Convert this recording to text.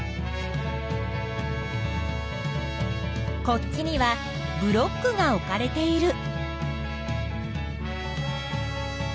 こっちにはブロックが置かれている。